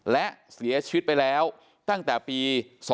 และเสียชีวิตไปแล้วตั้งแต่ปี๒๕๖